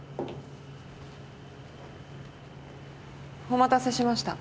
お待たせしました。